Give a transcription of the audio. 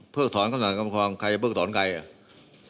เพิกถอนข้างสถานกรรมครองใครจะเพิกถอนใครอ่ะ